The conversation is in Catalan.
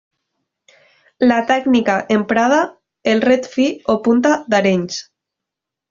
La tècnica emprada el ret fi o punta d'Arenys.